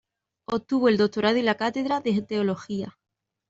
Obtuvo el doctorado y la cátedra de teología.